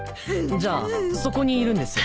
じゃあそこにいるんです。